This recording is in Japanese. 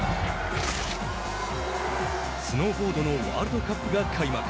スノーボードのワールドカップが開幕。